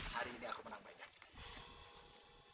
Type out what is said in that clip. hari ini aku menang banyak